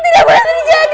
itu tidak boleh terjadi